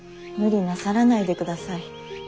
無理なさらないでください。